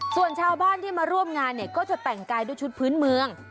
ส่วนชาวบ้านที่มาร่วมงานเนี่ยก็จะแต่งกายด้วยชุดพื้นเมือง